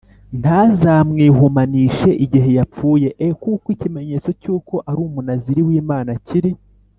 ntazamwihumanishe igihe yapfuye e kuko ikimenyetso cy uko ari Umunaziri w Imana kiri